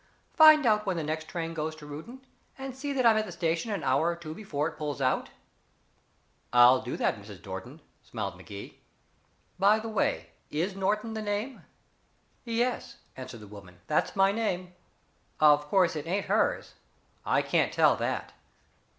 Find out when the next train goes to Reuton, and see that I'm at the station an hour or two before it pulls out." "I'll do that, Mrs. Norton," smiled Magee. "By the way, is Norton the name?" "Yes," answered the woman, "that's my name. Of course, it ain't hers. I can't tell that."